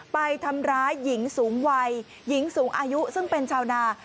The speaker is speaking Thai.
ไปทำร้ายหญิงสูงวัยหญิงสูงอายุซึ่งเป็นชาวนา